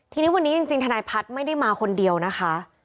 ทีนี้วันนี้จริงทนายพัฒน์ไม่ได้มาคนเดียวนะคะ